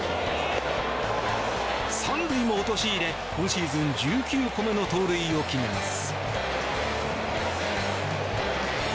３塁も陥れ、今シーズン１９個目の盗塁を決めます。